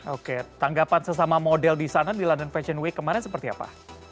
oke tanggapan sesama model di sana di london fashion week kemarin seperti apa